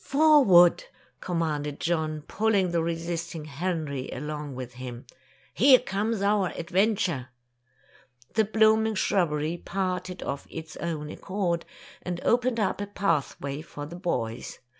"Forward!" commanded John, pulling the resisting Henry along with him. "Here comes our adventure!" The blooming shrubbery parted of its Tales of Modern Germany 43 own accord, and opened up a pathway for the boys.